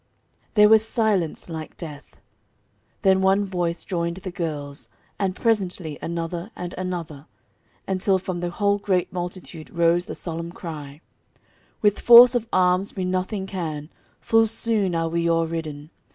There was silence like death. Then one voice joined the girl's, and presently another and another, until from the whole great multitude rose the solemn cry: With force of arms we nothing can, Full soon are we o'erridden.